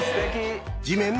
地面！」